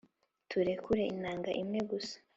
turekura intanga imwe gusa